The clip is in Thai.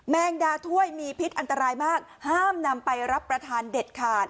แมงดาถ้วยมีพิษอันตรายมากห้ามนำไปรับประทานเด็ดขาด